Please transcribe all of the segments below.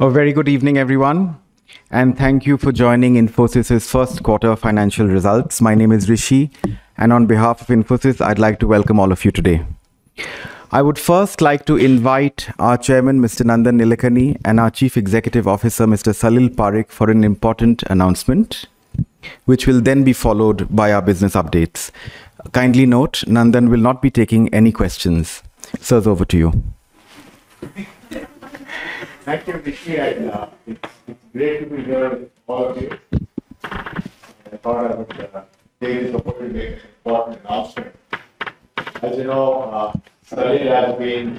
A very good evening, everyone, and thank you for joining Infosys's first quarter financial results. My name is Rishi, and on behalf of Infosys, I'd like to welcome all of you today. I would first like to invite our Chairman, Mr. Nandan Nilekani, and our Chief Executive Officer, Mr. Salil Parekh, for an important announcement, which will then be followed by our business updates. Kindly note, Nandan will not be taking any questions. Sir, over to you. Thank you, Rishi. It's great to be here with all of you. I thought I would take this opportunity to make an important announcement. As you know, Salil has been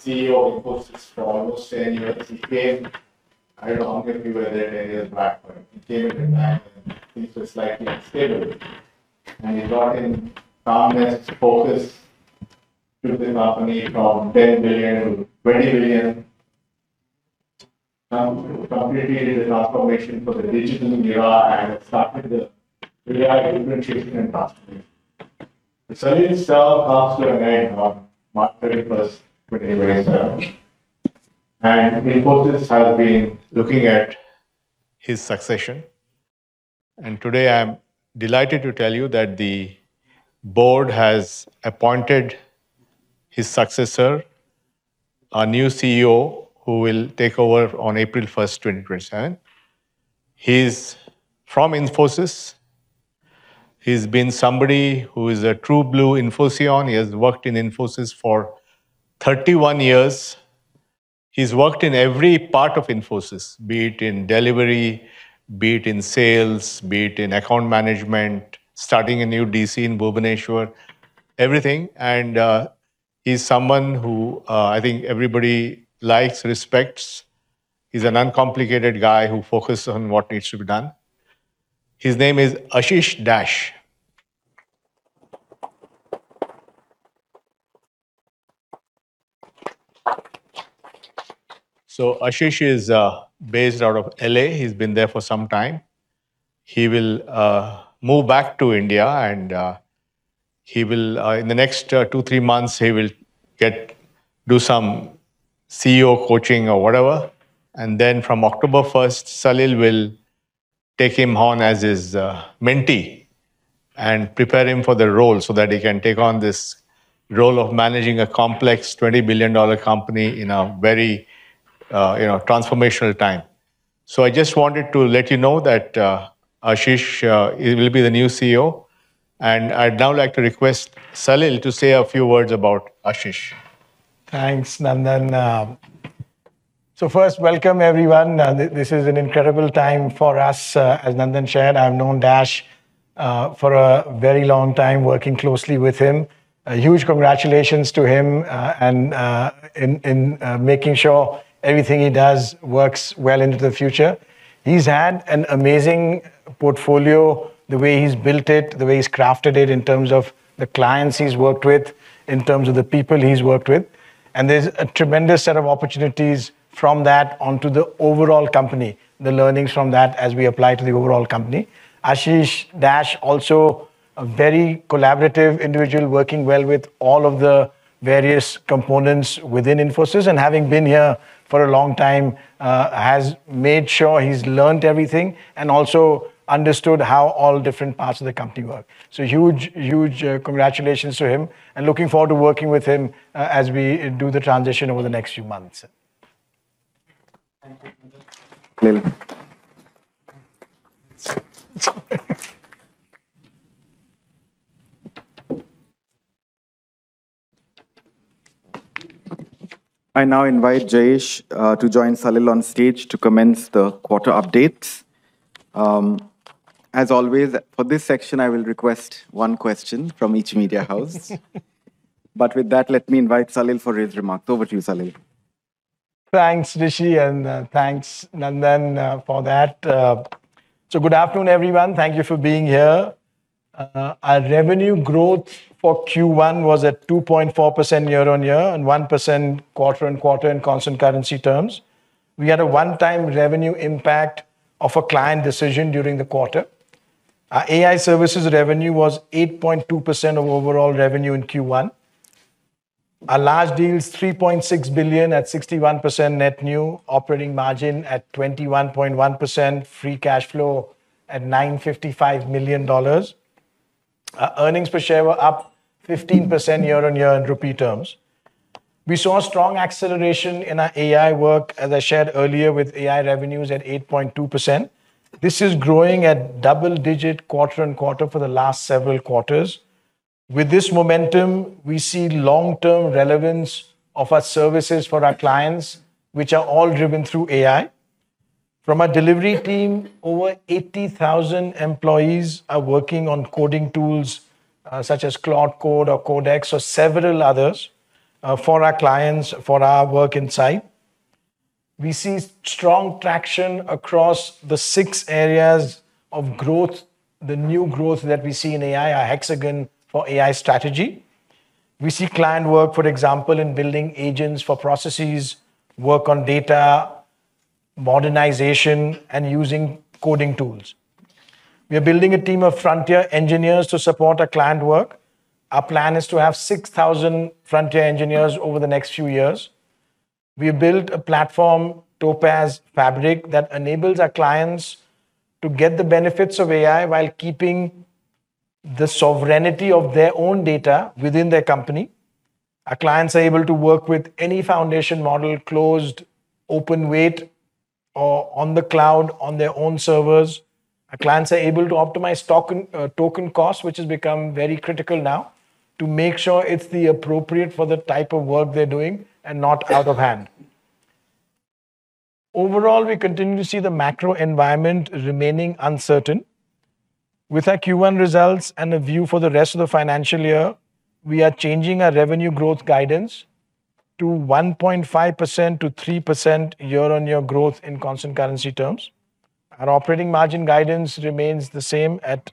CEO of Infosys for almost 10 years. He came, I don't know how many of you were there 10 years back, but he came at a time when things were slightly unstable. He brought in calmness, focus to the company from 10 billion to 20 billion, completed the transformation for the digital era and started the real differentiation in the industry. Salil himself asked to retire on March 31st, 2027, and Infosys has been looking at his succession. Today, I am delighted to tell you that the board has appointed his successor, our new CEO, who will take over on April 1st, 2027. He's from Infosys. He's been somebody who is a true blue Infoscion. He has worked in Infosys for 31 years. He's worked in every part of Infosys, be it in delivery, be it in sales, be it in account management, starting a new DC in Bhubaneswar, everything. He's someone who I think everybody likes, respects. He's an uncomplicated guy who focuses on what needs to be done. His name is Ashiss Dash. Ashiss is based out of L.A. He's been there for some time. He will move back to India and in the next two, three months, he will do some CEO coaching or whatever. Then from October 1st, Salil will take him on as his mentee and prepare him for the role so that he can take on this role of managing a complex INR 20 billion company in a very transformational time. I just wanted to let you know that Ashiss will be the new CEO, and I'd now like to request Salil to say a few words about Ashiss. Thanks, Nandan. First, welcome everyone. This is an incredible time for us. As Nandan shared, I've known Dash for a very long time, working closely with him. A huge congratulations to him in making sure everything he does works well into the future. He's had an amazing portfolio. The way he's built it, the way he's crafted it in terms of the clients he's worked with, in terms of the people he's worked with. There's a tremendous set of opportunities from that onto the overall company, the learnings from that as we apply to the overall company. Ashiss Dash, also a very collaborative individual, working well with all of the various components within Infosys, and having been here for a long time, has made sure he's learnt everything and also understood how all different parts of the company work. Huge congratulations to him and looking forward to working with him as we do the transition over the next few months. Thank you, Salil. I now invite Jayesh to join Salil on stage to commence the quarter updates. As always, for this section, I will request one question from each media house. With that, let me invite Salil for his remarks. Over to you, Salil. Thanks, Rishi, and thanks, Nandan, for that. Good afternoon, everyone. Thank you for being here. Our revenue growth for Q1 was at 2.4% year-on-year, and 1% quarter-on-quarter in constant currency terms. We had a one-time revenue impact of a client decision during the quarter. Our AI services revenue was 8.2% of overall revenue in Q1. Our large deals, $3.6 billion at 61% net new operating margin at 21.1%, free cash flow at $955 million. Our earnings per share were up 15% year-on-year in INR terms. We saw strong acceleration in our AI work, as I shared earlier, with AI revenues at 8.2%. This is growing at double-digit quarter-on-quarter for the last several quarters. With this momentum, we see long-term relevance of our services for our clients, which are all driven through AI. From our delivery team, over 80,000 employees are working on coding tools such as Cloud Code or Codex or several others for our clients, for our work inside. We see strong traction across the six areas of growth. The new growth that we see in AI, our hexagon for AI strategy. We see client work, for example, in building agents for processes, work on data, modernization, and using coding tools. We are building a team of frontier engineers to support our client work. Our plan is to have 6,000 frontier engineers over the next few years. We have built a platform, Topaz Fabric, that enables our clients to get the benefits of AI while keeping the sovereignty of their own data within their company. Our clients are able to work with any foundation model, closed, open weight, or on the cloud, on their own servers. Our clients are able to optimize token cost, which has become very critical now, to make sure it's the appropriate for the type of work they're doing and not out of hand. Overall, we continue to see the macro environment remaining uncertain. With our Q1 results and a view for the rest of the financial year, we are changing our revenue growth guidance to 1.5%-3% year-on-year growth in constant currency terms. Our operating margin guidance remains the same at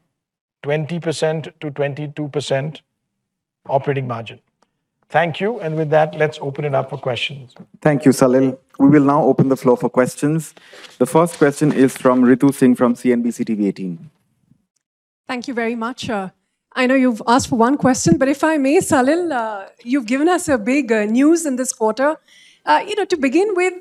20%-22% operating margin. Thank you. With that, let's open it up for questions. Thank you, Salil. We will now open the floor for questions. The first question is from Ritu Singh from CNBC TV18. Thank you very much. I know you've asked for one question, if I may, Salil, you've given us a big news in this quarter. To begin with,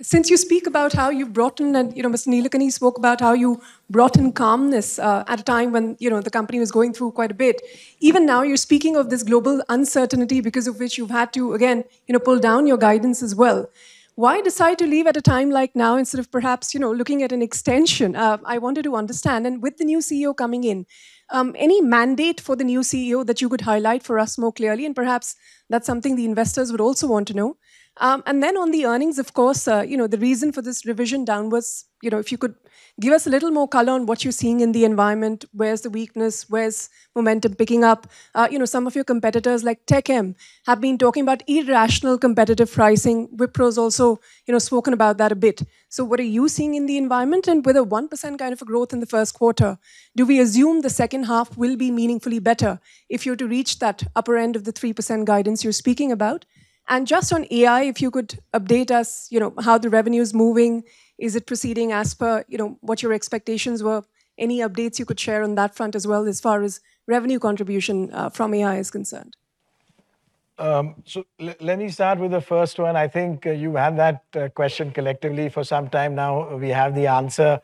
since you speak about how you've brought in and Mr. Nilekani spoke about how you brought in calmness at a time when the company was going through quite a bit. Even now, you're speaking of this global uncertainty because of which you've had to, again, pull down your guidance as well. Why decide to leave at a time like now instead of perhaps looking at an extension? I wanted to understand. With the new CEO coming in, any mandate for the new CEO that you could highlight for us more clearly, and perhaps that's something the investors would also want to know. On the earnings, of course, the reason for this revision downwards, if you could give us a little more color on what you're seeing in the environment, where's the weakness, where's momentum picking up? Some of your competitors, like Tech Mahindra, have been talking about irrational competitive pricing. Wipro's also spoken about that a bit. What are you seeing in the environment? With a 1% kind of a growth in the first quarter, do we assume the second half will be meaningfully better if you're to reach that upper end of the 3% guidance you're speaking about? Just on AI, if you could update us, how the revenue's moving? Is it proceeding as per what your expectations were? Any updates you could share on that front as well, as far as revenue contribution from AI is concerned? Let me start with the first one. I think you had that question collectively for some time now. We have the answer.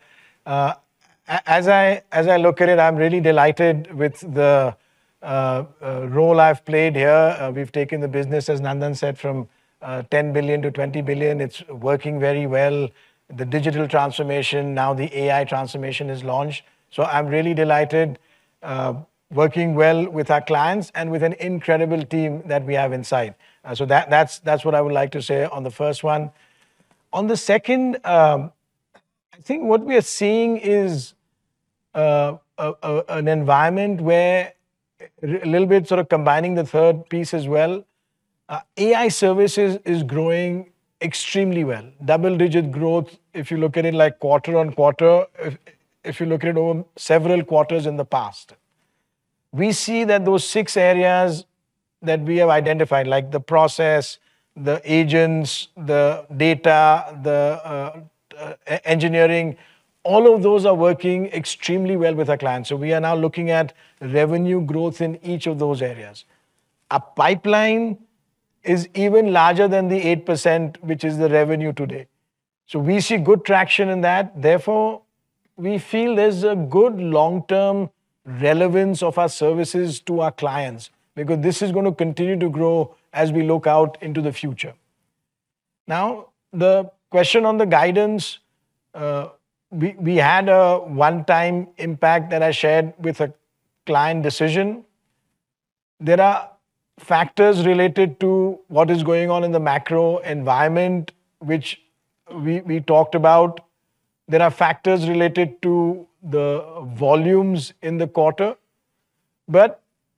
As I look at it, I'm really delighted with the role I've played here. We've taken the business, as Nandan said, from $10 billion to $20 billion. It's working very well. The digital transformation, now the AI transformation is launched. I'm really delighted, working well with our clients and with an incredible team that we have inside. That's what I would like to say on the first one. On the second, I think what we are seeing is an environment where a little bit sort of combining the third piece as well. AI services is growing extremely well. Double-digit growth, if you look at it like quarter-on-quarter, if you look at it on several quarters in the past. We see that those six areas that we have identified, like the process, the agents, the data, the engineering, all of those are working extremely well with our clients. We are now looking at revenue growth in each of those areas. Our pipeline is even larger than the 8%, which is the revenue today. We see good traction in that. Therefore, we feel there's a good long-term relevance of our services to our clients because this is going to continue to grow as we look out into the future. Now, the question on the guidance. We had a one-time impact that I shared with a client decision. There are factors related to what is going on in the macro environment, which we talked about. There are factors related to the volumes in the quarter.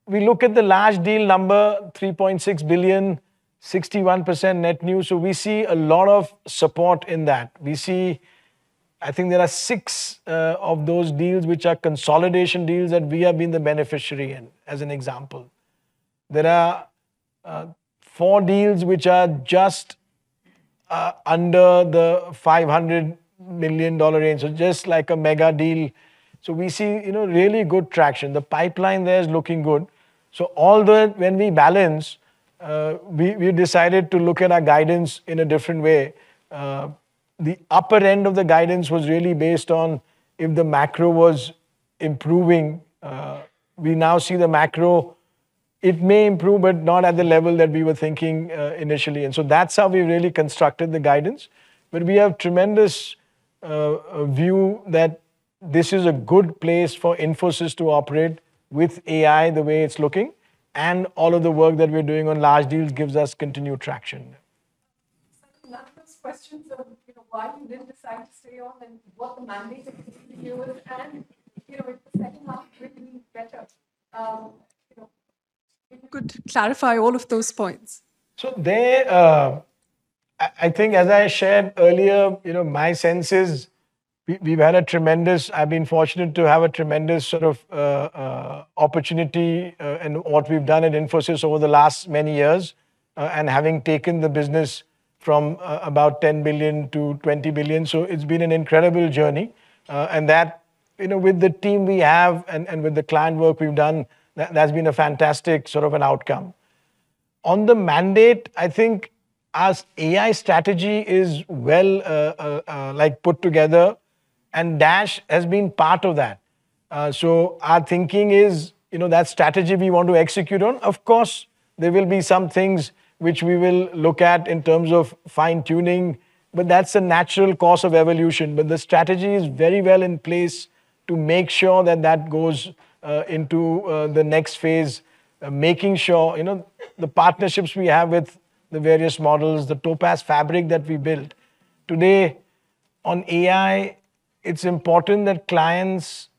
We look at the large deal number, $3.6 billion, 61% net new. We see a lot of support in that. I think there are six of those deals which are consolidation deals that we have been the beneficiary in, as an example. There are four deals which are just under the $500 million range, just like a mega deal. We see really good traction. The pipeline there is looking good. When we balance, we decided to look at our guidance in a different way. The upper end of the guidance was really based on if the macro was improving. We now see the macro, it may improve, but not at the level that we were thinking initially, that's how we really constructed the guidance. We have tremendous view that this is a good place for Infosys to operate with AI the way it's looking, and all of the work that we're doing on large deals gives us continued traction. Salil, Nandan's question of why you didn't decide to stay on and what the mandate of the new CEO is, and if the second half will be better. If you could clarify all of those points. There, I think as I shared earlier, my sense is I've been fortunate to have a tremendous sort of opportunity in what we've done at Infosys over the last many years. Having taken the business From about $10 billion to $20 billion. It's been an incredible journey. That, with the team we have and with the client work we've done, that's been a fantastic sort of an outcome. On the mandate, I think as AI strategy is well put together and Dash has been part of that. Our thinking is, that strategy we want to execute on, of course, there will be some things which we will look at in terms of fine-tuning, that's a natural course of evolution. The strategy is very well in place to make sure that that goes into the next phase, making sure the partnerships we have with the various models, the Topaz Fabric that we built. Today, on AI, it's important that clients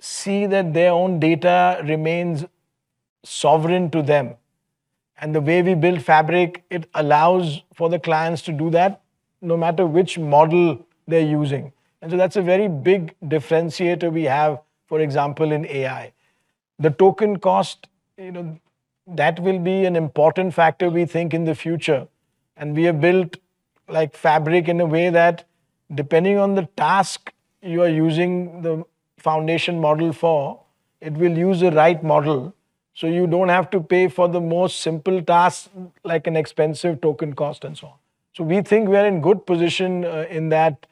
see that their own data remains sovereign to them. The way we build Fabric, it allows for the clients to do that no matter which model they're using. That's a very big differentiator we have, for example, in AI. The token cost, that will be an important factor, we think, in the future. We have built Fabric in a way that depending on the task you are using the foundation model for, it will use the right model, so you don't have to pay for the most simple task, like an expensive token cost and so on. We think we are in good position in that.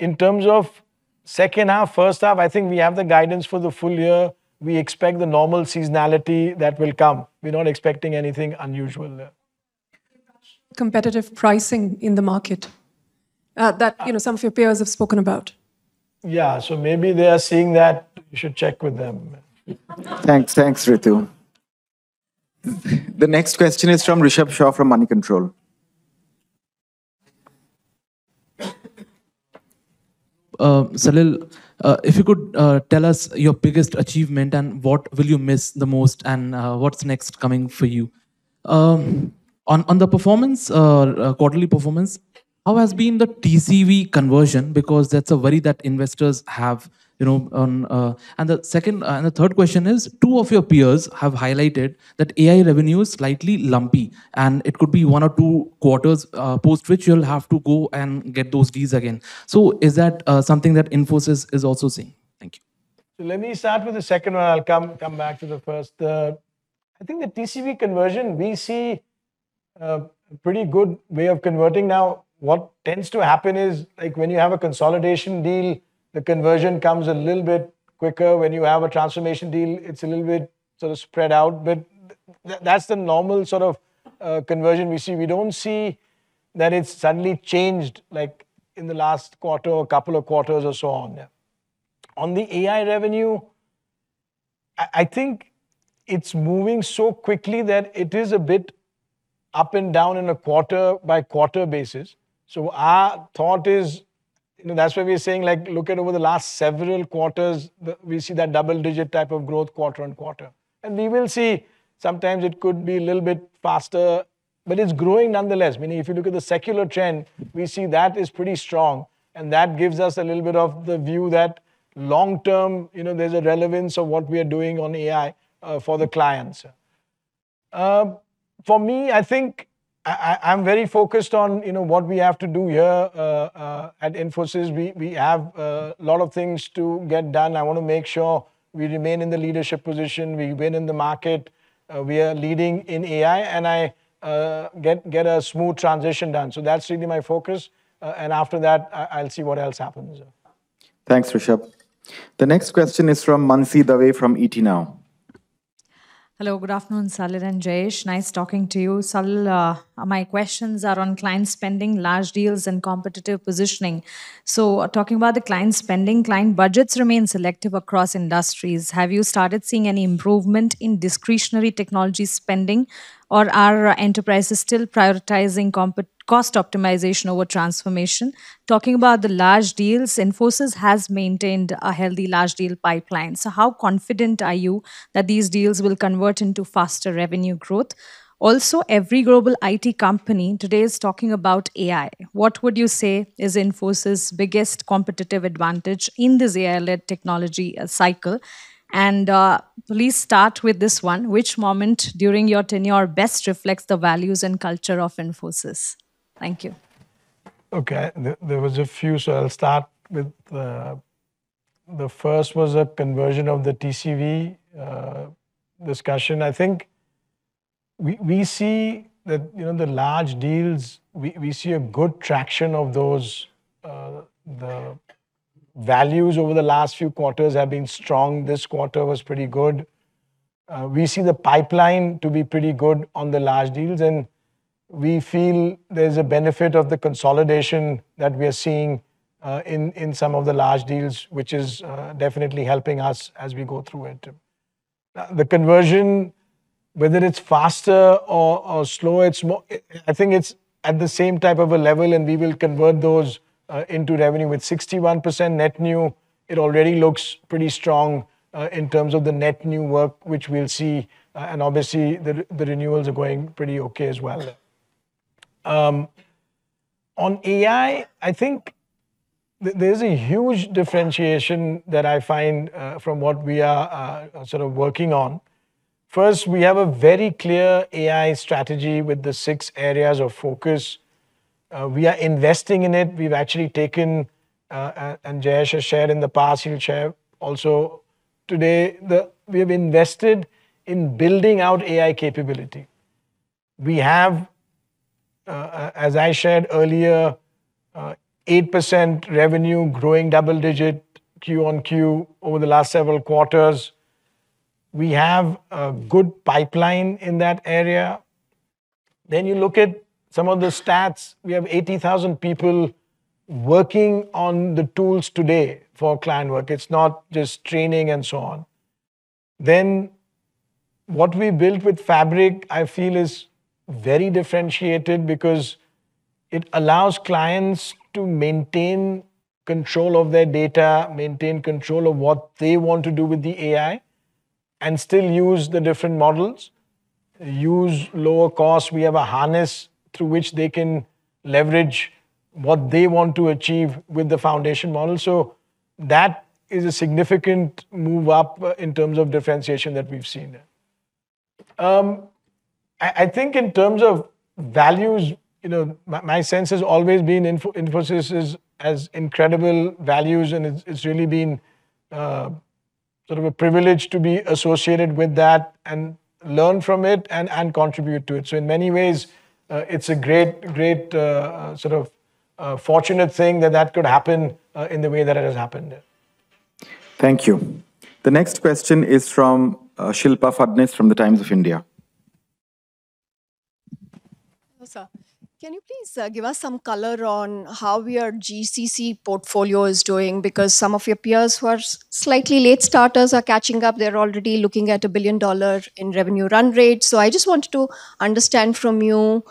In terms of second half, first half, I think we have the guidance for the full year. We expect the normal seasonality that will come. We're not expecting anything unusual there. Competitive pricing in the market that some of your peers have spoken about. Yeah. Maybe they are seeing that. You should check with them. Thanks, Ritu. The next question is from Reshab Shaw from Moneycontrol. Salil, if you could tell us your biggest achievement and what will you miss the most and what's next coming for you? On the performance, quarterly performance, how has been the TCV conversion? Because that's a worry that investors have. The third question is, two of your peers have highlighted that AI revenue is slightly lumpy, and it could be one or two quarters, post which you'll have to go and get those deals again. Is that something that Infosys is also seeing? Thank you. Let me start with the second one. I'll come back to the first. I think the TCV conversion, we see a pretty good way of converting now. What tends to happen is, when you have a consolidation deal, the conversion comes a little bit quicker. When you have a transformation deal, it's a little bit sort of spread out. That's the normal sort of conversion we see. We don't see that it's suddenly changed, like in the last quarter or couple of quarters or so on. On the AI revenue, I think it's moving so quickly that it is a bit up and down in a quarter-by-quarter basis. Our thought is, that's why we are saying look at over the last several quarters, we see that double-digit type of growth quarter-on-quarter. We will see sometimes it could be a little bit faster, but it's growing, nonetheless. Meaning, if you look at the secular trend, we see that is pretty strong, and that gives us a little bit of the view that long term, there's a relevance of what we are doing on AI for the clients. For me, I think I'm very focused on what we have to do here at Infosys. We have a lot of things to get done. I want to make sure we remain in the leadership position, we win in the market, we are leading in AI, and I get a smooth transition done. That's really my focus. After that, I'll see what else happens. Thanks, Reshab. The next question is from Mansee Dave from ET Now. Hello, good afternoon, Salil and Jayesh. Nice talking to you. Salil, my questions are on client spending, large deals, and competitive positioning. Talking about the client spending, client budgets remain selective across industries. Have you started seeing any improvement in discretionary technology spending, or are enterprises still prioritizing cost optimization over transformation? Talking about the large deals, Infosys has maintained a healthy large deal pipeline. How confident are you that these deals will convert into faster revenue growth? Every global IT company today is talking about AI. What would you say is Infosys' biggest competitive advantage in this AI-led technology cycle? Please start with this one. Which moment during your tenure best reflects the values and culture of Infosys? Thank you. Okay. There was a few. I'll start with the first was a conversion of the TCV discussion. I think we see the large deals. We see a good traction of those. The values over the last few quarters have been strong. This quarter was pretty good. We see the pipeline to be pretty good on the large deals, and we feel there's a benefit of the consolidation that we are seeing in some of the large deals, which is definitely helping us as we go through it. The conversion, whether it's faster or slower, I think it's at the same type of a level, and we will convert those into revenue. With 61% net new, it already looks pretty strong in terms of the net new work, which we'll see. Obviously, the renewals are going pretty okay as well. On AI, there's a huge differentiation that I find from what we are sort of working on. First, we have a very clear AI strategy with the six areas of focus. We are investing in it. We've actually taken. Jayesh has shared in the past, he will share also today, that we've invested in building out AI capability. We have, as I shared earlier, 8% revenue growing double digit Q on Q over the last several quarters. We have a good pipeline in that area. You look at some of the stats. We have 80,000 people working on the tools today for client work. It's not just training and so on. What we built with Fabric, I feel is very differentiated because it allows clients to maintain control of their data, maintain control of what they want to do with the AI, and still use the different models, use lower costs. We have a harness through which they can leverage what they want to achieve with the foundation model. That is a significant move up in terms of differentiation that we've seen. In terms of values, my sense has always been Infosys has incredible values, and it's really been sort of a privilege to be associated with that and learn from it and contribute to it. In many ways, it's a great fortunate thing that that could happen in the way that it has happened. Thank you. The next question is from Shilpa Phadnis from The Times of India. Hello, sir. Can you please give us some color on how your GCC portfolio is doing? Some of your peers who are slightly late starters are catching up. They're already looking at a billion-dollar in revenue run rate. I just wanted to understand from you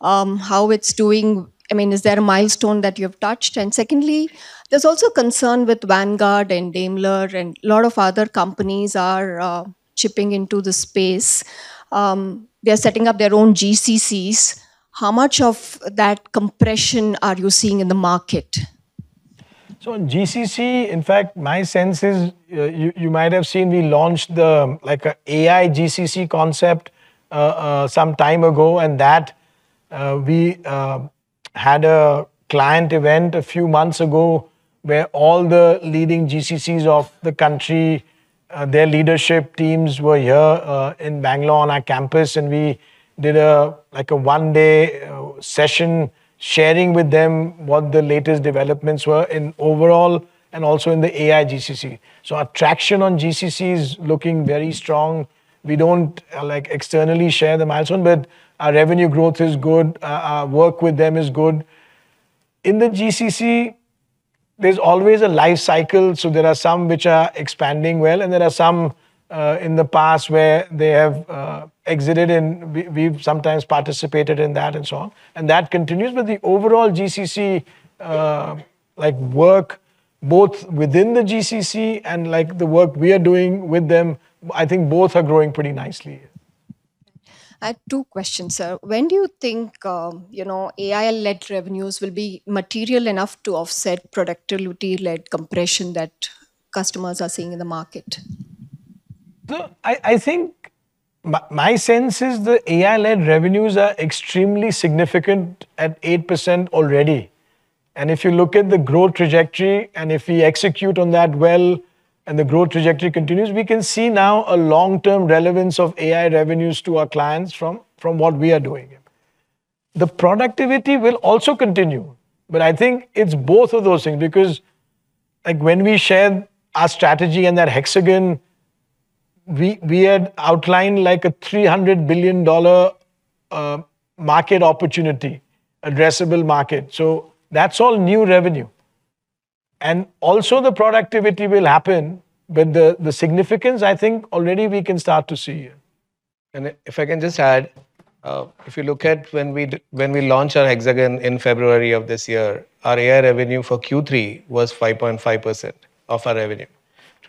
how it's doing. Is there a milestone that you have touched? Secondly, there's also concern with Vanguard and Daimler and lot of other companies are chipping into the space. They are setting up their own GCCs. How much of that compression are you seeing in the market? On GCC, in fact, my sense is you might have seen we launched the AI GCC concept some time ago, and that we had a client event a few months ago where all the leading GCCs of the country, their leadership teams were here in Bangalore on our campus, and we did a one-day session sharing with them what the latest developments were in overall and also in the AI GCC. Our traction on GCC is looking very strong. We don't externally share the milestone, but our revenue growth is good. Our work with them is good. In the GCC, there's always a life cycle. There are some which are expanding well, and there are some in the past where they have exited, and we've sometimes participated in that and so on. That continues. The overall GCC work, both within the GCC and the work we are doing with them, I think both are growing pretty nicely. I have two questions, sir. When do you think AI-led revenues will be material enough to offset productivity-led compression that customers are seeing in the market? Look, I think my sense is the AI-led revenues are extremely significant at 8% already. If you look at the growth trajectory, and if we execute on that well, and the growth trajectory continues, we can see now a long-term relevance of AI revenues to our clients from what we are doing. The productivity will also continue. I think it's both of those things, because when we shared our strategy in that hexagon, we had outlined a $300 billion addressable market opportunity. That's all new revenue. Also, the productivity will happen. The significance, I think already we can start to see. If I can just add. If you look at when we launched our hexagon in February of this year, our AI revenue for Q3 was 5.5% of our revenue.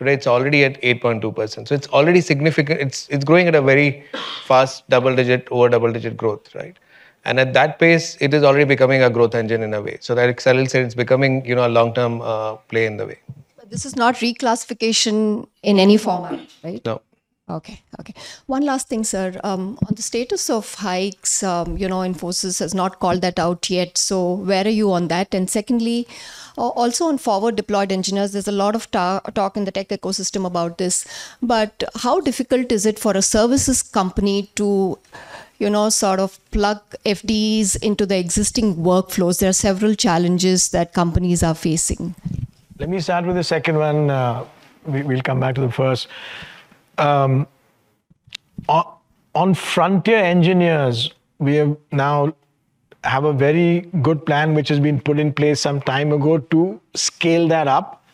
Today, it's already at 8.2%. It's already significant. It's growing at a very fast double-digit, over double-digit growth. Right? At that pace, it is already becoming a growth engine in a way. That acceleration, it's becoming a long-term play in the way. This is not reclassification in any format, right? No. One last thing, sir. On the status of hikes, Infosys has not called that out yet. Where are you on that? Secondly, also on forward deployed engineers. There's a lot of talk in the tech ecosystem about this. How difficult is it for a services company to sort of plug FDs into the existing workflows? There are several challenges that companies are facing. Let me start with the second one. We'll come back to the first. On frontier engineers, we now have a very good plan which has been put in place some time ago to scale that up.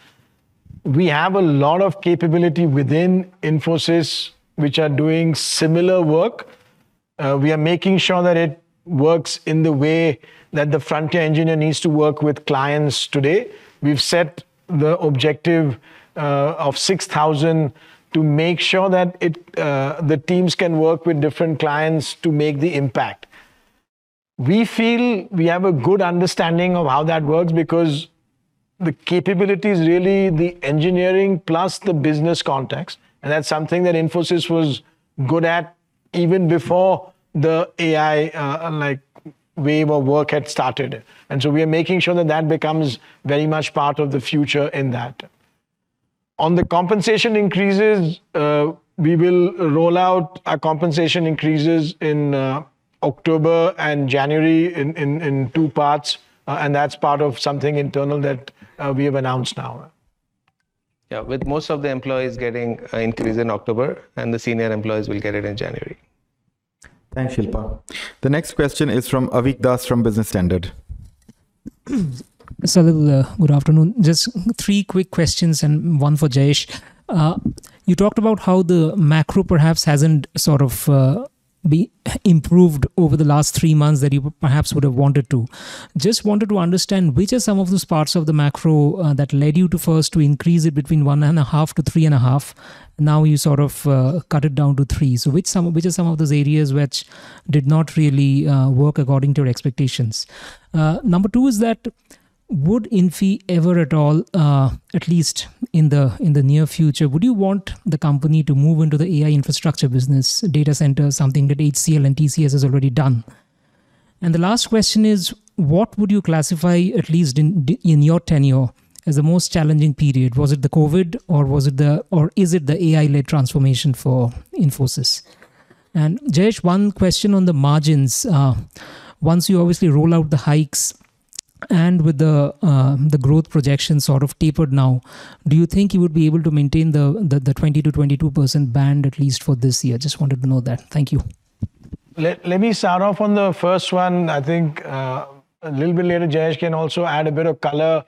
We have a lot of capability within Infosys which are doing similar work. We are making sure that it works in the way that the frontier engineer needs to work with clients today. We've set the objective of 6,000 to make sure that the teams can work with different clients to make the impact. We feel we have a good understanding of how that works because the capability is really the engineering plus the business context, and that's something that Infosys was good at even before the AI wave of work had started. We are making sure that that becomes very much part of the future in that. On the compensation increases, we will roll out our compensation increases in October and January in two parts. That's part of something internal that we have announced now. Yeah. With most of the employees getting an increase in October, the senior employees will get it in January. Thanks, Shilpa. The next question is from Avik Das from Business Standard. Salil, good afternoon. Just three quick questions and one for Jayesh. You talked about how the macro perhaps hasn't sort of improved over the last three months, that you perhaps would have wanted to. Just wanted to understand, which are some of those parts of the macro that led you to first to increase it between 1.5-3.5? Now you sort of cut it down to three. Which are some of those areas which did not really work according to your expectations? Number 2 is that would Infosys ever at all, at least in the near future, would you want the company to move into the AI infrastructure business data center, something that HCLTech and TCS has already done? The last question is, what would you classify, at least in your tenure, as the most challenging period? Was it the COVID or is it the AI-led transformation for Infosys? Jayesh, one question on the margins. Once you obviously roll out the hikes and with the growth projection sort of tapered now, do you think you would be able to maintain the 20%-22% band at least for this year? Just wanted to know that. Thank you. Let me start off on the first one. I think a little bit later, Jayesh can also add a bit of color.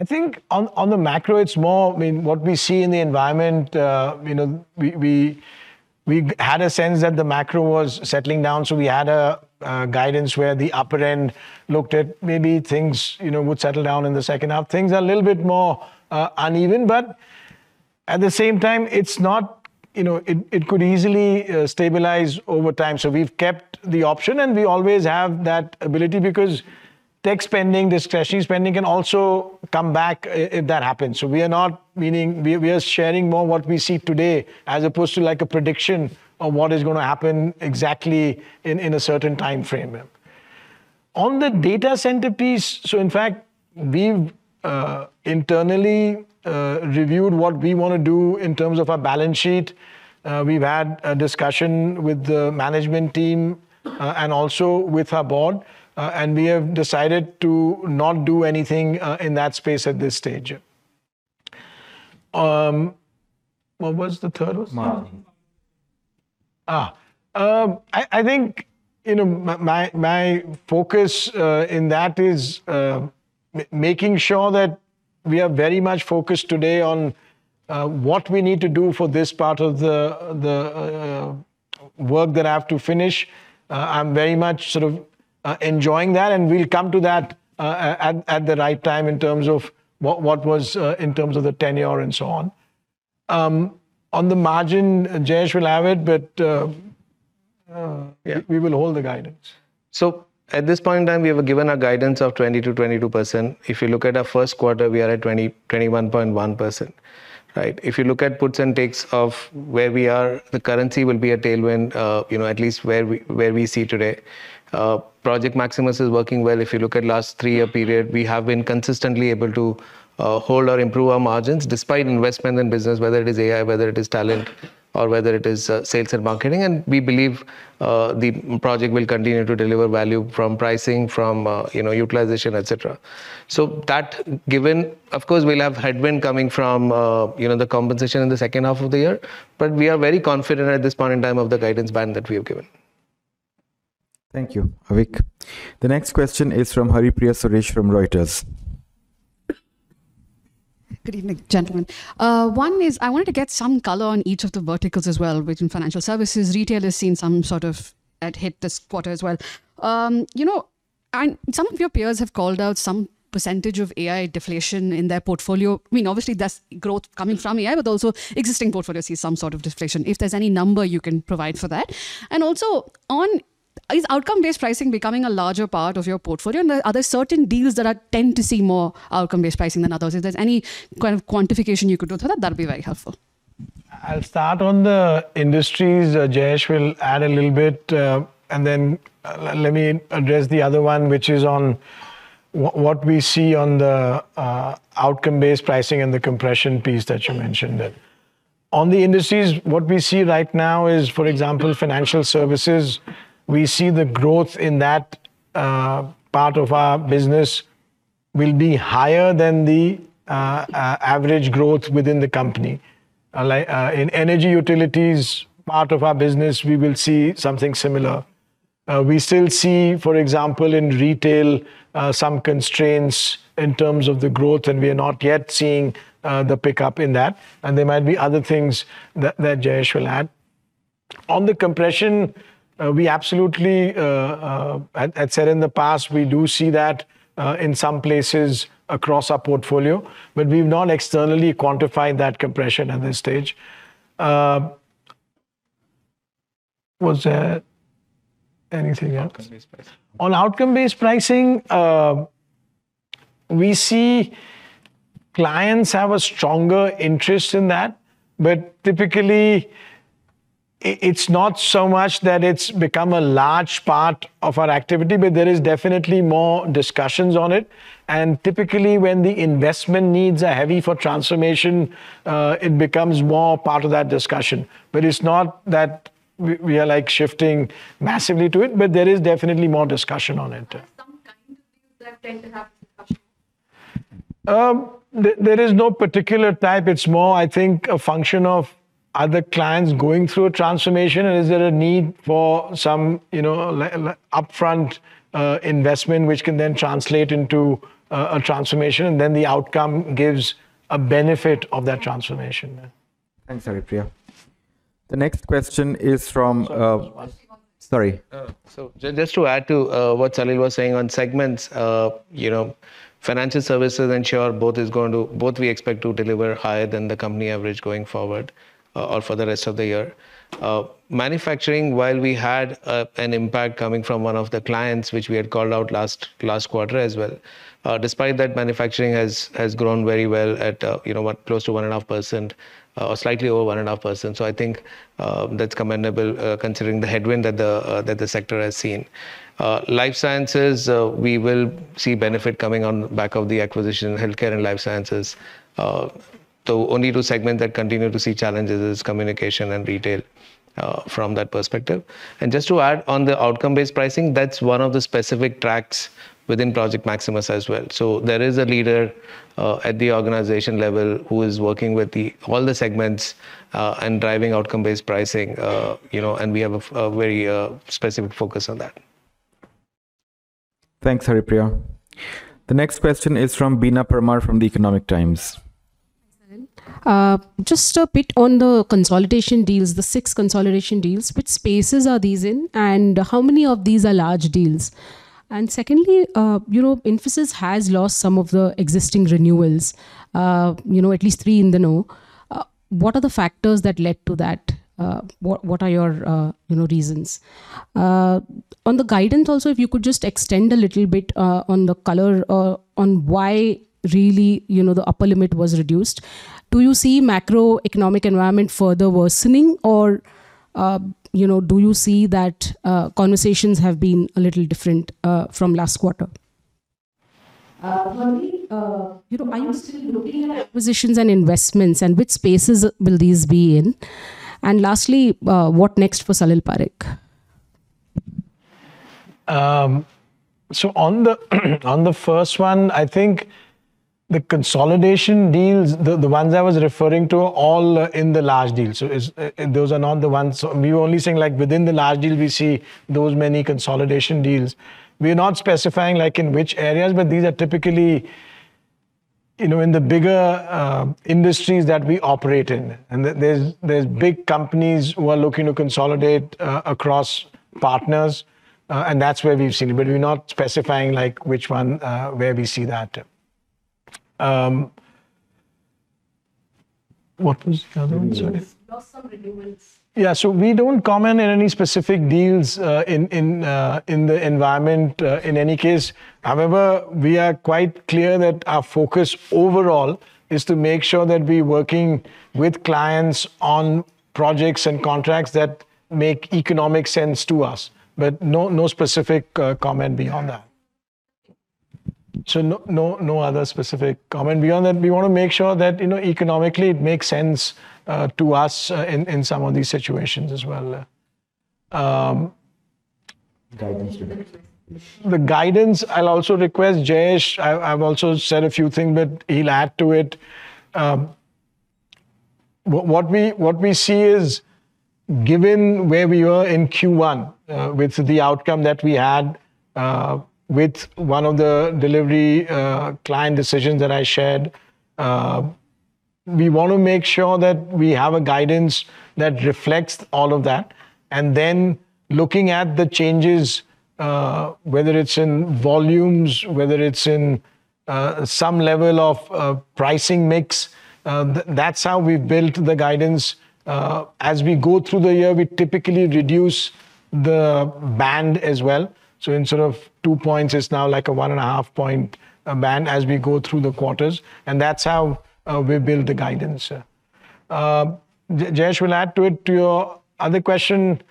I think on the macro, it's more what we see in the environment. We had a sense that the macro was settling down, so we had a guidance where the upper end looked at maybe things would settle down in the second half. Things are a little bit more uneven, but at the same time, it could easily stabilize over time. We've kept the option, and we always have that ability because tech spending, discretionary spending can also come back if that happens. We are sharing more what we see today as opposed to a prediction of what is going to happen exactly in a certain time frame. On the data center piece, in fact, we've internally reviewed what we want to do in terms of our balance sheet. We've had a discussion with the management team and also with our board, and we have decided to not do anything in that space at this stage. What was the third one? Margin. I think my focus in that is making sure that we are very much focused today on what we need to do for this part of the work that I have to finish. I'm very much sort of enjoying that, we'll come to that at the right time in terms of the tenure and so on. On the margin, Jayesh will have it, we will hold the guidance. At this point in time, we have given a guidance of 20%-22%. If you look at our first quarter, we are at 21.1%. If you look at puts and takes of where we are, the currency will be a tailwind, at least where we see today. Project Maximus is working well. If you look at last three-year period, we have been consistently able to hold or improve our margins despite investment in business, whether it is AI, whether it is talent, or whether it is sales and marketing. We believe the project will continue to deliver value from pricing, from utilization, et cetera. That given, of course, we'll have headwind coming from the compensation in the second half of the year, we are very confident at this point in time of the guidance band that we have given. Thank you, Avik. The next question is from Haripriya Suresh from Reuters. Good evening, gentlemen. One is I wanted to get some color on each of the verticals as well within financial services. Retail has seen some sort of head hit this quarter as well. Some of your peers have called out some percentage of AI deflation in their portfolio. Obviously, there's growth coming from AI, but also existing portfolios see some sort of deflation. If there's any number you can provide for that. Also, is outcome-based pricing becoming a larger part of your portfolio? Are there certain deals that tend to see more outcome-based pricing than others? If there's any kind of quantification you could do for that'd be very helpful. I'll start on the industries. Jayesh will add a little bit, and then let me address the other one, which is on what we see on the outcome-based pricing and the compression piece that you mentioned. On the industries, what we see right now is, for example, financial services. We see the growth in that part of our business will be higher than the average growth within the company. In energy utilities part of our business, we will see something similar. We still see, for example, in retail, some constraints in terms of the growth, and we are not yet seeing the pickup in that. There might be other things that Jayesh will add. On the compression, I'd said in the past, we do see that in some places across our portfolio, but we've not externally quantified that compression at this stage. Was there anything else? Outcome-based pricing. On outcome-based pricing, we see clients have a stronger interest in that, but typically, it's not so much that it's become a large part of our activity, but there is definitely more discussions on it, and typically when the investment needs are heavy for transformation, it becomes more part of that discussion. It's not that we are shifting massively to it, but there is definitely more discussion on it. Are there some kind of deals that tend to have discussions? There is no particular type. It's more, I think, a function of are the clients going through a transformation and is there a need for some upfront investment which can then translate into a transformation, and then the outcome gives a benefit of that transformation. Thanks, Haripriya. The next question is from- Sorry, just one. Sorry. Just to add to what Salil was saying on segments. Financial services and insurance, both we expect to deliver higher than the company average going forward or for the rest of the year. Manufacturing, while we had an impact coming from one of the clients, which we had called out last quarter as well. Despite that, manufacturing has grown very well at close to 1.5% or slightly over 1.5%. I think that's commendable considering the headwind that the sector has seen. Life Sciences, we will see benefit coming on back of the acquisition in healthcare and Life Sciences. The only two segments that continue to see challenges is communication and retail from that perspective. Just to add, on the outcome-based pricing, that's one of the specific tracks within Project Maximus as well. There is a leader at the organization level who is working with all the segments and driving outcome-based pricing. We have a very specific focus on that. Thanks, Haripriya. The next question is from Beena Parmar from The Economic Times. Thanks, Salil. Just a bit on the consolidation deals, the six consolidation deals. Which spaces are these in, and how many of these are large deals? Secondly, Infosys has lost some of the existing renewals, at least three in the know. What are the factors that led to that? What are your reasons? On the guidance also, if you could just extend a little bit on the color on why really the upper limit was reduced. Do you see macroeconomic environment further worsening or do you see that conversations have been a little different from last quarter? Finally, are you still looking at acquisitions and investments, and which spaces will these be in? Lastly, what next for Salil Parekh? On the first one, I think the consolidation deals, the ones I was referring to, all in the large deals. Those are not the ones. We were only saying within the large deals, we see those many consolidation deals. We are not specifying in which areas, but these are typically in the bigger industries that we operate in. There's big companies who are looking to consolidate across partners, and that's where we've seen it. We're not specifying which one where we see that. What was the other one? Sorry. You lost some renewals. We don't comment on any specific deals in the environment in any case. However, we are quite clear that our focus overall is to make sure that we're working with clients on projects and contracts that make economic sense to us, but no specific comment beyond that. Okay. No other specific comment beyond that. We want to make sure that economically it makes sense to us in some of these situations as well. Guidance. The guidance, I'll also request Jayesh. I've also said a few things, but he'll add to it. What we see is given where we were in Q1 with the outcome that we had with one of the delivery client decisions that I shared, we want to make sure that we have a guidance that reflects all of that. Looking at the changes, whether it's in volumes, whether it's in some level of pricing mix, that's how we've built the guidance. As we go through the year, we typically reduce the band as well. Instead of two points, it's now a one-and-a-half-point band as we go through the quarters. That's how we've built the guidance. Jayesh will add to it to your other question.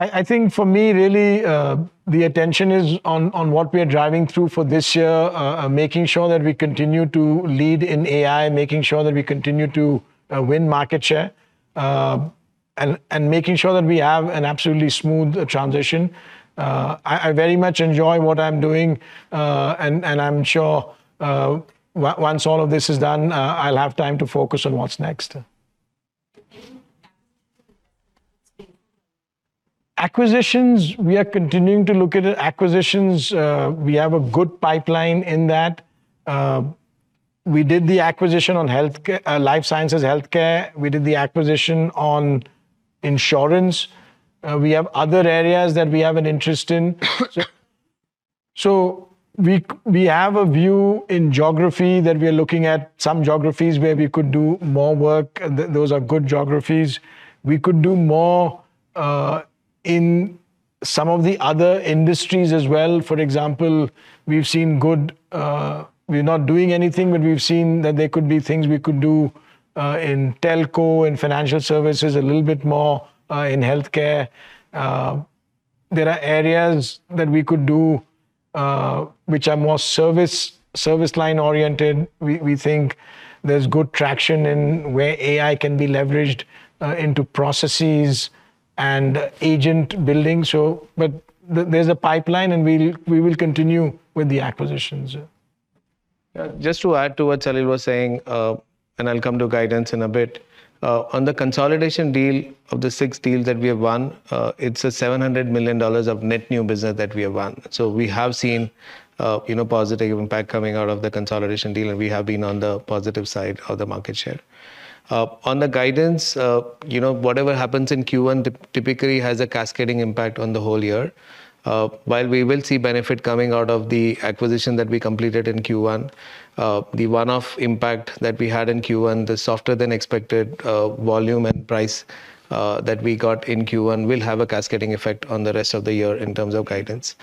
I think for me, really, the attention is on what we are driving through for this year, making sure that we continue to lead in AI, making sure that we continue to win market share, and making sure that we have an absolutely smooth transition. I very much enjoy what I'm doing. I'm sure once all of this is done, I'll have time to focus on what's next. Acquisitions, we are continuing to look at acquisitions. We have a good pipeline in that. We did the acquisition on life sciences, healthcare. We did the acquisition on insurance. We have other areas that we have an interest in. We have a view in geography that we are looking at some geographies where we could do more work, and those are good geographies. We could do more in some of the other industries as well. For example, we're not doing anything, but we've seen that there could be things we could do in telco, in financial services, a little bit more in healthcare. There are areas that we could do which are more service line oriented. We think there's good traction in where AI can be leveraged into processes and agent building. There's a pipeline, and we will continue with the acquisitions. Just to add to what Salil was saying, I'll come to guidance in a bit. On the consolidation deal of the six deals that we have won, it's a $700 million of net new business that we have won. We have seen positive impact coming out of the consolidation deal, and we have been on the positive side of the market share. On the guidance, whatever happens in Q1 typically has a cascading impact on the whole year. While we will see benefit coming out of the acquisition that we completed in Q1, the one-off impact that we had in Q1, the softer than expected volume and price that we got in Q1 will have a cascading effect on the rest of the year in terms of guidance.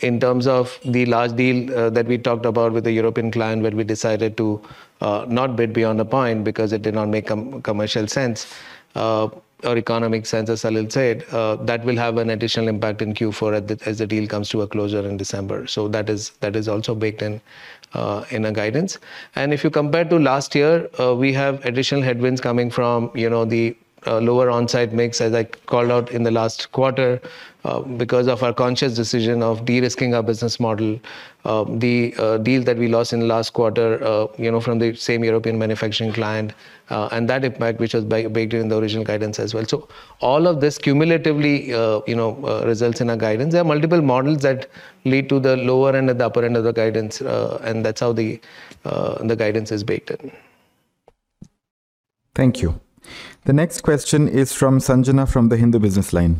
In terms of the large deal that we talked about with the European client, where we decided to not bid beyond a point because it did not make commercial sense, or economic sense, as Salil said, that will have an additional impact in Q4 as the deal comes to a closure in December. That is also baked in our guidance. If you compare to last year, we have additional headwinds coming from the lower on-site mix, as I called out in the last quarter, because of our conscious decision of de-risking our business model. The deal that we lost in the last quarter from the same European manufacturing client, and that impact which was baked in the original guidance as well. All of this cumulatively results in our guidance. There are multiple models that lead to the lower end and the upper end of the guidance, and that's how the guidance is baked in. Thank you. The next question is from Sanjana from The Hindu BusinessLine.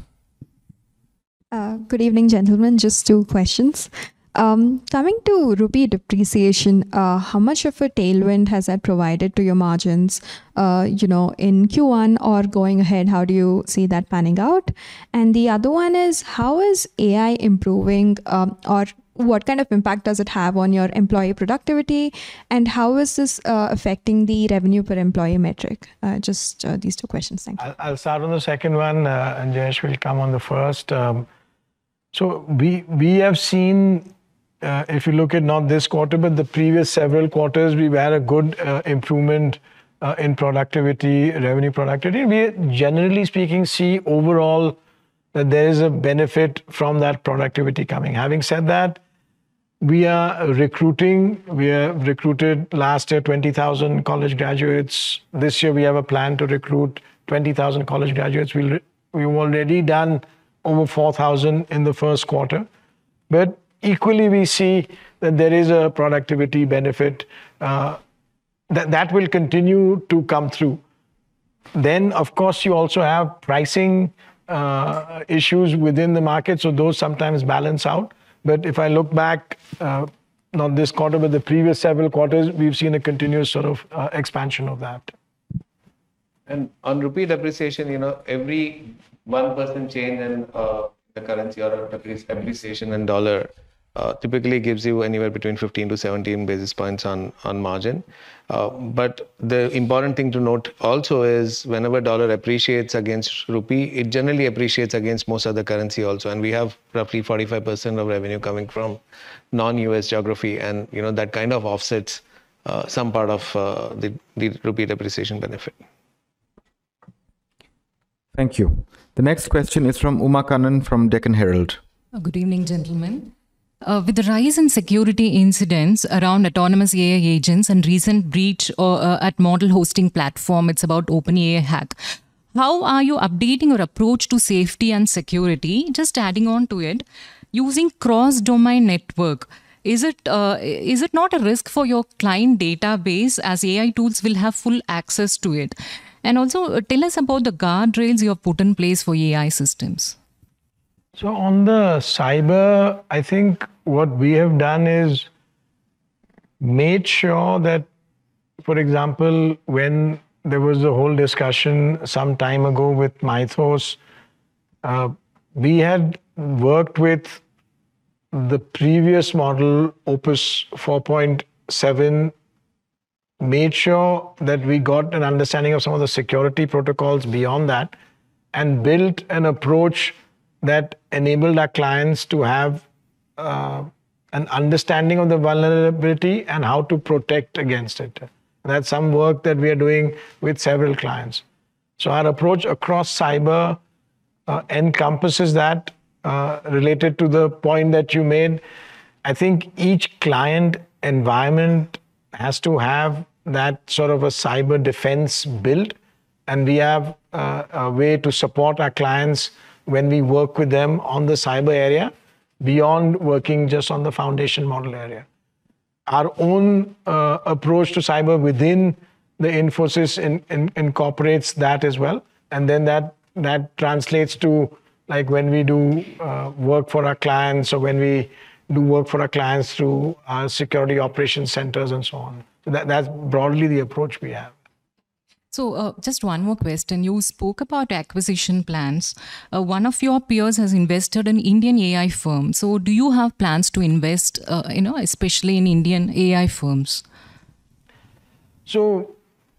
Good evening, gentlemen. Just two questions. Coming to rupee depreciation, how much of a tailwind has that provided to your margins in Q1 or going ahead? How do you see that panning out? The other one is, how is AI improving, or what kind of impact does it have on your employee productivity, and how is this affecting the revenue per employee metric? Just these two questions. Thanks. I will start on the second one, Jayesh will come on the first. We have seen, if you look at not this quarter but the previous several quarters, we have had a good improvement in productivity, revenue productivity. We, generally speaking, see overall that there is a benefit from that productivity coming. Having said that, we are recruiting. We recruited last year 20,000 college graduates. This year we have a plan to recruit 20,000 college graduates. We have already done over 4,000 in the first quarter. Equally, we see that there is a productivity benefit that will continue to come through. Of course, you also have pricing issues within the market, those sometimes balance out. If I look back not this quarter, but the previous several quarters, we have seen a continuous sort of expansion of that. On rupee depreciation, every 1% change in the currency or depreciation in dollar typically gives you anywhere between 15-17 basis points on margin. The important thing to note also is whenever dollar appreciates against rupee, it generally appreciates against most other currency also. We have roughly 45% of revenue coming from non-U.S. geography, that kind of offsets some part of the rupee depreciation benefit. Thank you. The next question is from Uma Kannan from Deccan Herald. Good evening, gentlemen. With the rise in security incidents around autonomous AI agents and recent breach at model hosting platform, it is about OpenAI hack. How are you updating your approach to safety and security? Just adding on to it, using cross-domain network, is it not a risk for your client database as AI tools will have full access to it? Also, tell us about the guardrails you have put in place for AI systems. On the cyber, I think what we have done is made sure that, for example, when there was a whole discussion some time ago with Mythos, we had worked with the previous model, Opus 4.7, made sure that we got an understanding of some of the security protocols beyond that, and built an approach that enabled our clients to have an understanding of the vulnerability and how to protect against it. That's some work that we are doing with several clients. Our approach across cyber encompasses that. Related to the point that you made, I think each client environment has to have that sort of a cyber defense built, and we have a way to support our clients when we work with them on the cyber area beyond working just on the foundation model area. Our own approach to cyber within Infosys incorporates that as well. That translates to when we do work for our clients or when we do work for our clients through our security operation centers and so on. That's broadly the approach we have. Just one more question. You spoke about acquisition plans. One of your peers has invested in Indian AI firms. Do you have plans to invest, especially in Indian AI firms?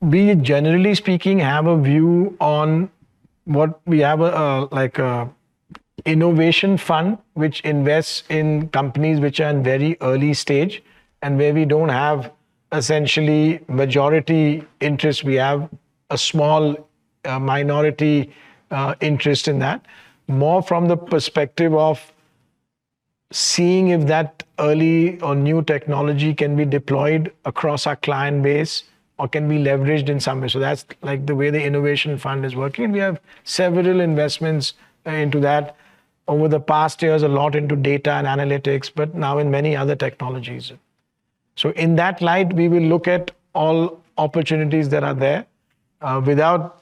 We, generally speaking, have a view on. We have a innovation fund which invests in companies which are in very early stage and where we don't have essentially majority interest. We have a small minority interest in that. More from the perspective of seeing if that early or new technology can be deployed across our client base or can be leveraged in some way. That's the way the innovation fund is working. We have several investments into that. Over the past years, a lot into data and analytics, but now in many other technologies. In that light, we will look at all opportunities that are there without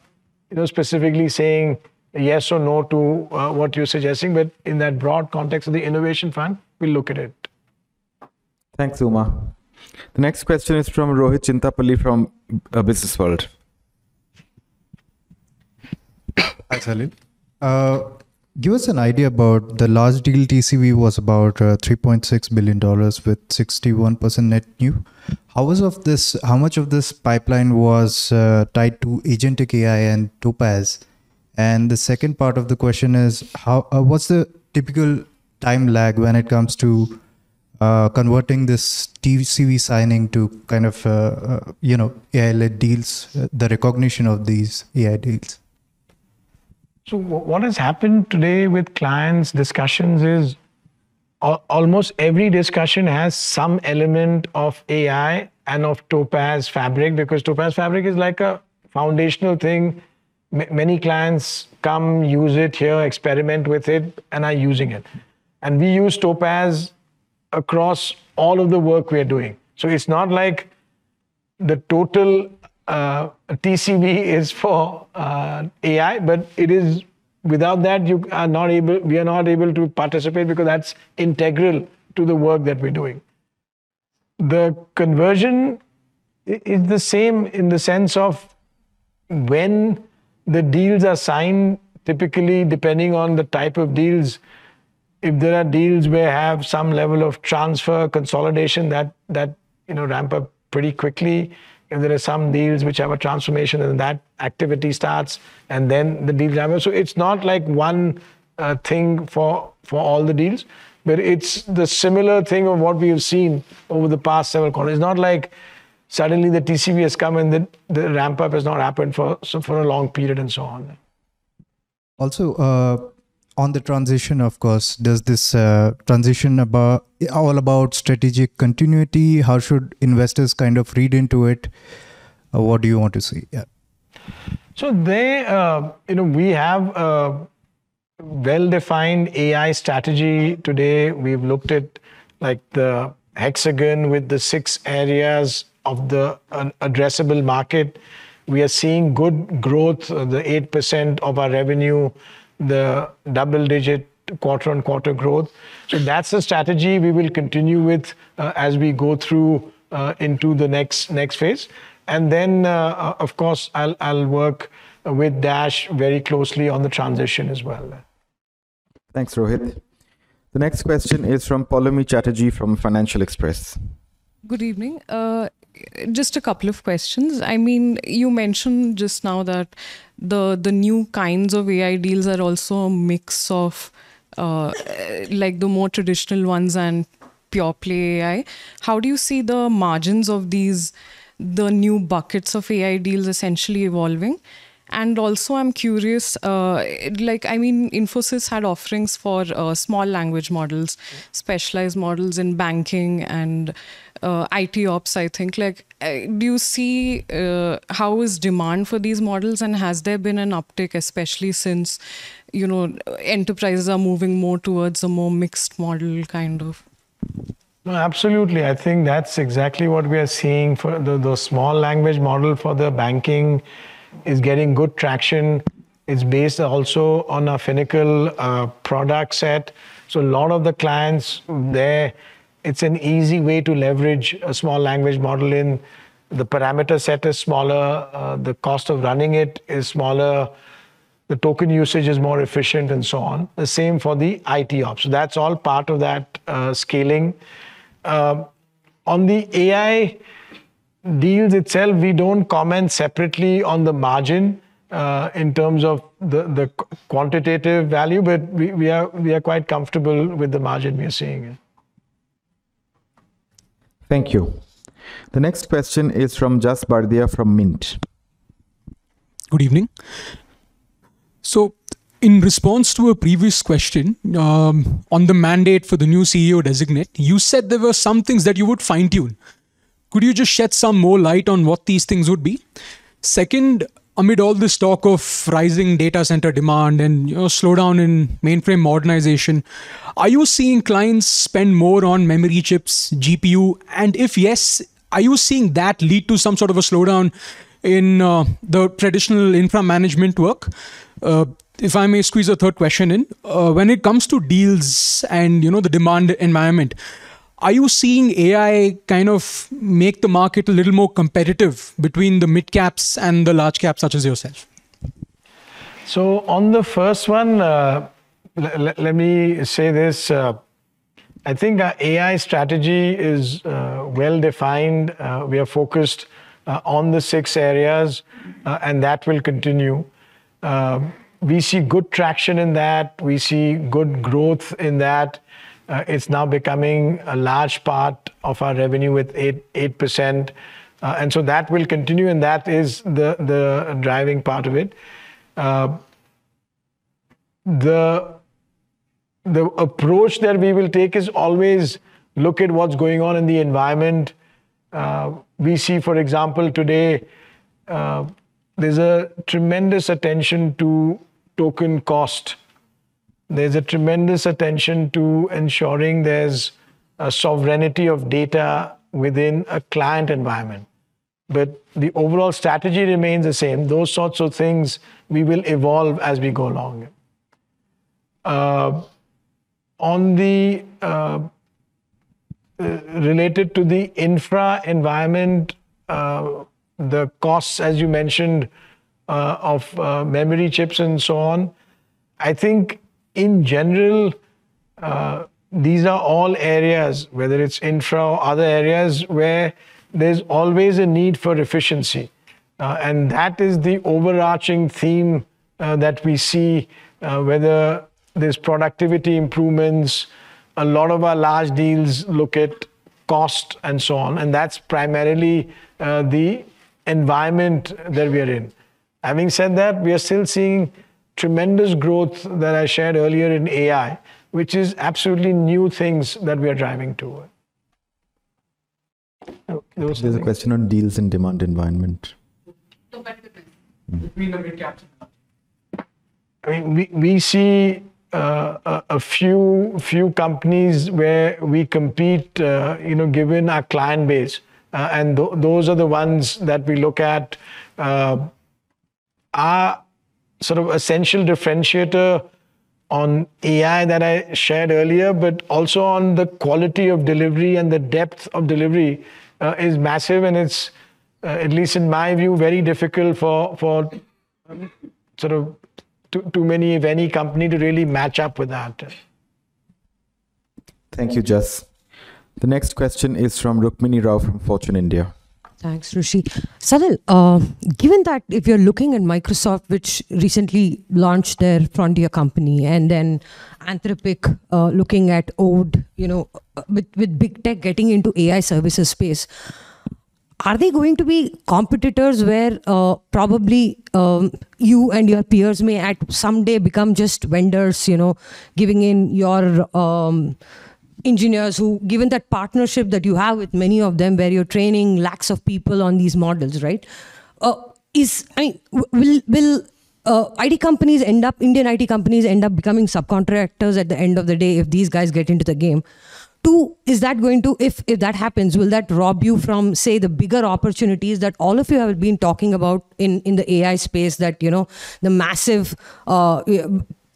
specifically saying yes or no to what you're suggesting. In that broad context of the innovation fund, we'll look at it. Thanks, Uma. The next question is from Rohit Chintapali from BW Businessworld. Hi, Salil. Give us an idea about the large deal TCV was about $3.6 billion with 61% net new. How much of this pipeline was tied to agentic AI and Topaz? The second part of the question is, what's the typical time lag when it comes to converting this TCV signing to AI-led deals, the recognition of these AI deals? What has happened today with clients' discussions is almost every discussion has some element of AI and of Topaz Fabric, because Topaz Fabric is like a foundational thing. Many clients come, use it here, experiment with it, and are using it. We use Topaz across all of the work we are doing. It's not like the total TCV is for AI, but without that we are not able to participate because that's integral to the work that we're doing. The conversion is the same in the sense of when the deals are signed, typically, depending on the type of deals. If there are deals where have some level of transfer consolidation that ramp up pretty quickly. If there are some deals which have a transformation, then that activity starts, and then the deals ramp. It's not like one thing for all the deals, but it's the similar thing of what we have seen over the past several quarters. It's not like suddenly the TCV has come and the ramp-up has not happened for a long period and so on. On the transition, of course, does this transition all about strategic continuity? How should investors read into it? What do you want to see? Yeah. We have a well-defined AI strategy today. We've looked at the Hexagon with the six areas of the addressable market. We are seeing good growth, the 8% of our revenue, the double-digit quarter-on-quarter growth. That's the strategy we will continue with as we go through into the next phase. Of course, I'll work with Dash very closely on the transition as well. Thanks, Rohit. The next question is from Poulomi Chatterjee from Financial Express. Good evening. Just a couple of questions. You mentioned just now that the new kinds of AI deals are also a mix of the more traditional ones and pure-play AI. How do you see the margins of the new buckets of AI deals essentially evolving? Also, I'm curious, Infosys had offerings for small language models, specialized models in banking and IT ops, I think. Do you see how is demand for these models, and has there been an uptick, especially since enterprises are moving more towards a more mixed model kind of? No, absolutely. I think that's exactly what we are seeing. For the small language model for the banking is getting good traction. It's based also on a Finacle product set. A lot of the clients there, it's an easy way to leverage a small language model in. The parameter set is smaller, the cost of running it is smaller, the token usage is more efficient, and so on. The same for the IT ops. That's all part of that scaling. On the AI deals itself, we don't comment separately on the margin in terms of the quantitative value, but we are quite comfortable with the margin we are seeing. Thank you. The next question is from Yash Vardhan from Mint. Good evening. In response to a previous question on the mandate for the new CEO designate, you said there were some things that you would fine-tune. Could you just shed some more light on what these things would be? Second, amid all this talk of rising data center demand and slowdown in mainframe modernization, are you seeing clients spend more on memory chips, GPU? If yes, are you seeing that lead to some sort of a slowdown in the traditional infra management work? If I may squeeze a third question in. When it comes to deals and the demand environment, are you seeing AI make the market a little more competitive between the mid-caps and the large caps, such as yourself? On the first one, let me say this. I think our AI strategy is well-defined. We are focused on the six areas, and that will continue. We see good traction in that. We see good growth in that. It's now becoming a large part of our revenue with 8%. That will continue, and that is the driving part of it. The approach that we will take is always look at what's going on in the environment. We see, for example, today, there's a tremendous attention to token cost. There's a tremendous attention to ensuring there's a sovereignty of data within a client environment. The overall strategy remains the same. Those sorts of things we will evolve as we go along. Related to the infra environment, the costs, as you mentioned, of memory chips and so on, I think in general, these are all areas, whether it's infra or other areas, where there's always a need for efficiency. That is the overarching theme that we see whether there's productivity improvements. A lot of our large deals look at cost and so on, that's primarily the environment that we are in. Having said that, we are still seeing tremendous growth that I shared earlier in AI, which is absolutely new things that we are driving toward. Okay. There's a question on deals and demand environment. No, better. We see a few companies where we compete given our client base. Those are the ones that we look at. Our sort of essential differentiator on AI that I shared earlier, but also on the quality of delivery and the depth of delivery, is massive and it's, at least in my view, very difficult for too many of any company to really match up with that. Thank you, Yash. The next question is from Rukmini Rao from Fortune India. Thanks, Rishi. Salil, given that if you're looking at Microsoft, which recently launched their Frontier company and then Anthropic, looking at Claude. With big tech getting into AI services space, are they going to be competitors where probably you and your peers may someday become just vendors giving in your engineers who, given that partnership that you have with many of them, where you're training lakhs of people on these models, right? Will Indian IT companies end up becoming subcontractors at the end of the day if these guys get into the game? Two, if that happens, will that rob you from, say, the bigger opportunities that all of you have been talking about in the AI space that the massive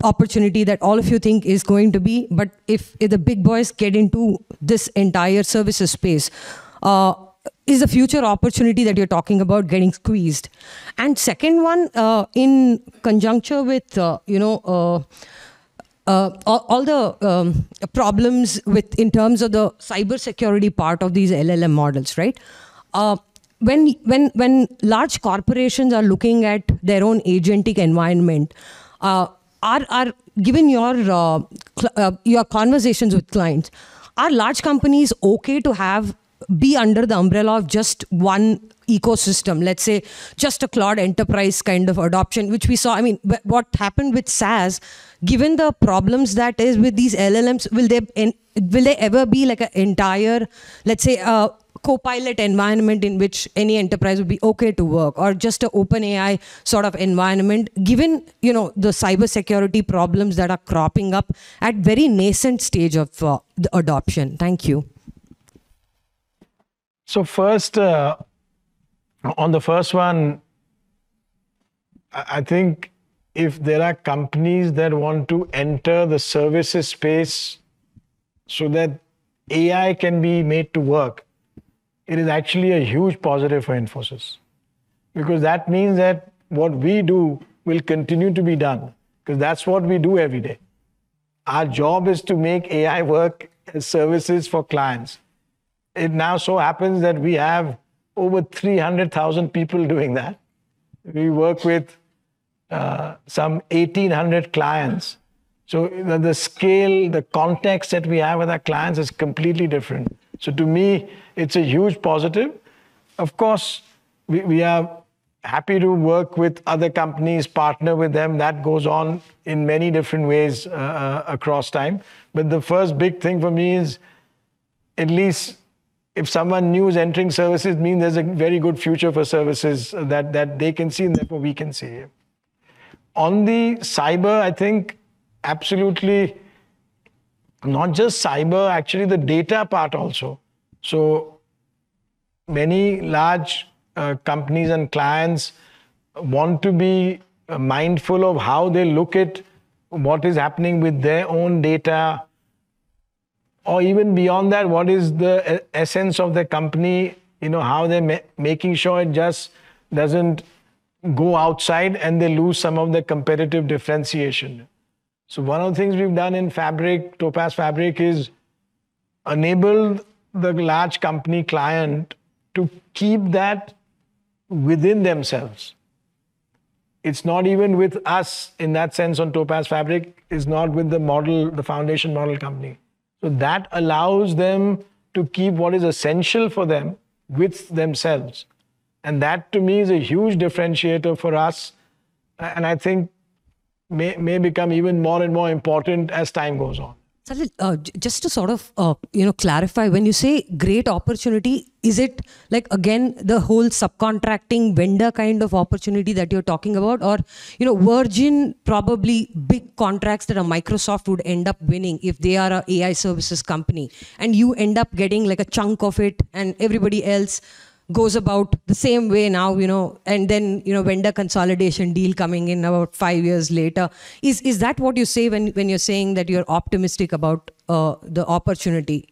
opportunity that all of you think is going to be, but if the big boys get into this entire services space, is the future opportunity that you're talking about getting squeezed? Second one, in conjuncture with all the problems in terms of the cybersecurity part of these LLM models, right? When large corporations are looking at their own agentic environment, given your conversations with clients, are large companies okay to be under the umbrella of just one ecosystem, let's say just a cloud enterprise kind of adoption? I mean, what happened with SaaS, given the problems that is with these LLMs, will there ever be an entire, let's say, Copilot environment in which any enterprise would be okay to work or just an OpenAI sort of environment, given the cybersecurity problems that are cropping up at very nascent stage of the adoption? Thank you. On the first one, I think if there are companies that want to enter the services space so that AI can be made to work, it is actually a huge positive for Infosys. That means that what we do will continue to be done. That's what we do every day. Our job is to make AI work as services for clients. It now so happens that we have over 300,000 people doing that. We work with some 1,800 clients. The scale, the context that we have with our clients is completely different. To me, it's a huge positive. Of course, we are happy to work with other companies, partner with them. That goes on in many different ways across time. The first big thing for me is at least if someone new is entering services, means there's a very good future for services that they can see and therefore we can see. On the cyber, I think absolutely not just cyber, actually, the data part also. Many large companies and clients want to be mindful of how they look at what is happening with their own data or even beyond that, what is the essence of the company, how they're making sure it just doesn't go outside, and they lose some of their competitive differentiation. One of the things we've done in Topaz Fabric is enable the large company client to keep that within themselves. It's not even with us in that sense on Topaz Fabric, is not with the foundation model company. That allows them to keep what is essential for them with themselves. That to me is a huge differentiator for us and I think may become even more and more important as time goes on. Salil, just to sort of clarify, when you say great opportunity, is it again, the whole subcontracting vendor kind of opportunity that you're talking about? Or virgin, probably big contracts that a Microsoft would end up winning if they are AI services company, and you end up getting a chunk of it and everybody else goes about the same way now, and then vendor consolidation deal coming in about five years later. Is that what you say when you're saying that you're optimistic about the opportunity?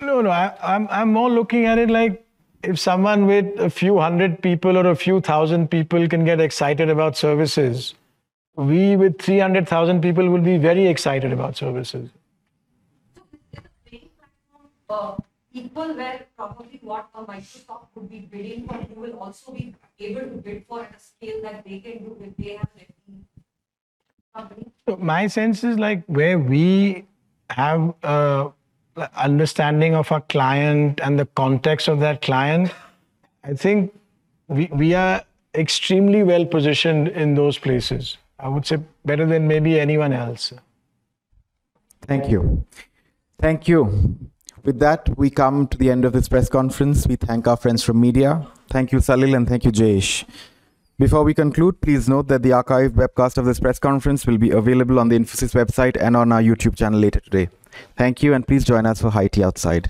I'm more looking at it like if someone with a few hundred people or a few thousand people can get excited about services, we with 300,000 people will be very excited about services. Is it people where probably what a Microsoft would be bidding for, you will also be able to bid for at a scale that they can do with their company? My sense is like where we have a understanding of a client and the context of that client, I think we are extremely well-positioned in those places. I would say better than maybe anyone else. Thank you. Thank you. With that, we come to the end of this press conference. We thank our friends from media. Thank you, Salil, and thank you, Jayesh. Before we conclude, please note that the archive webcast of this press conference will be available on the Infosys website and on our youtube channel later today. Thank you, and please join us for High Tea Outside.